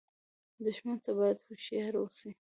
دښمن ته باید هوښیار اوسې